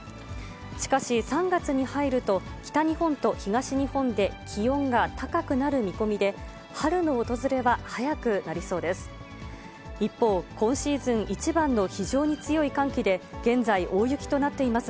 しかし、３月に入ると、北日本と東日本で気温が高くなる見込みで、春の訪れは早くなりそうです。